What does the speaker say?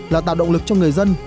là tạo động lực cho người dân